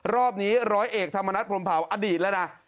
รอบนี้ร้อยเอกธรรมนัฐพรมเผาอดีตแล้วนะ